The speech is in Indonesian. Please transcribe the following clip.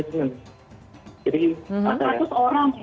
jadi ada ya